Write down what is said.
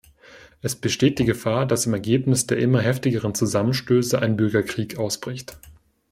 Es besteht die Gefahr, dass im Ergebnis der immer heftigeren Zusammenstöße ein Bürgerkrieg ausbricht.